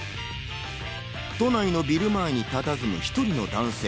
都内のビル前にたたずむ１人の男性。